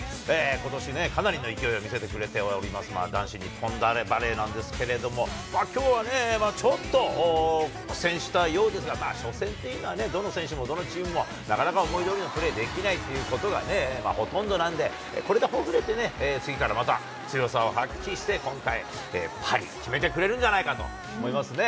ことし、かなりの勢いを見せてくれております、男子日本バレーなんですけれども、きょうはちょっとしたようですが、どの選手もどのチームもなかなか思いどおりのプレーできないということが、ほとんどなんで、これがほぐれて次からまた強さを発揮して、今回、パリ、決めてくれるんじゃないかと思いますね。